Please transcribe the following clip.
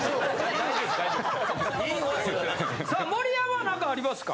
・大丈夫です・さあ盛山は何かありますか？